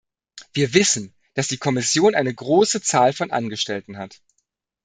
Wir wissen, dass die Kommission eine große Zahl von Angestellten hat.